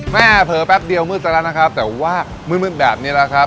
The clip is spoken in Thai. เผลอแป๊บเดียวมืดซะแล้วนะครับแต่ว่ามืดแบบนี้แหละครับ